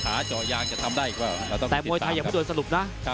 ขาเจาะยางจะทำได้อีกหรือเปล่าแต่มวยไทยอย่าพูดด่วนสรุปนะใช่